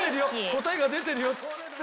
答えが出てるよ」っつって。